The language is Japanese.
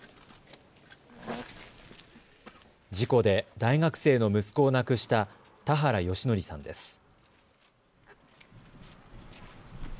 事故で大学生の息子を亡くした田原義則さんです。